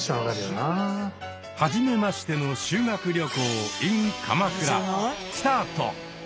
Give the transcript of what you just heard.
はじめましての修学旅行ｉｎ鎌倉スタート！